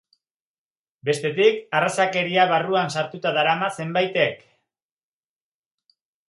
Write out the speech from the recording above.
Bestetik, arrazakeria barruan sartuta darama zenbaitek.